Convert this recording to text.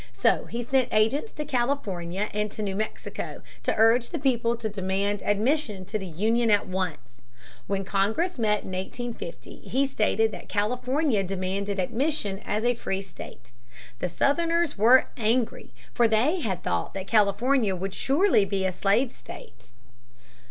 So he sent agents to California and to New Mexico to urge the people to demand admission to the Union at once. When Congress met in 1850, he stated that California demanded admission as a free state. The Southerners were angry. For they had thought that California would surely be a slave state.